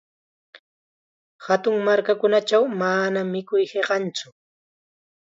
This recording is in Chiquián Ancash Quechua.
Hatun markakunachaw manam mikuy hiqantsu.